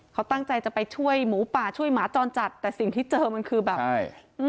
เขาตั้งใจจะไปช่วยหมูป่าช่วยหมาจรจัดแต่สิ่งที่เจอมันคือแบบใช่อืม